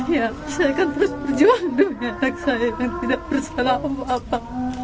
ya saya akan terus berjuang dengan saya yang tidak bersalah untuk apa